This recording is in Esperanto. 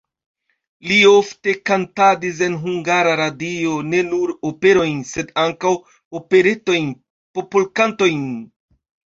Li ofte kantadis en Hungara Radio ne nur operojn, sed ankaŭ operetojn, popolkantojn.